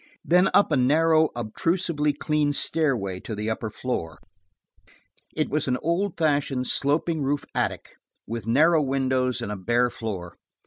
Then up a narrow, obtrusively clean stairway to the upper floor. It was an old fashioned, sloping roofed attic, with narrow windows and a bare floor.